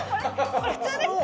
これ普通ですか？